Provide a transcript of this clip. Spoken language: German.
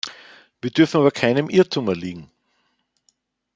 Wir dürfen aber keinem Irrtum erliegen.